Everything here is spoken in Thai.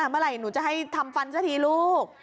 เมื่อไหร่หนูจะให้ทำฟันซะทีลูก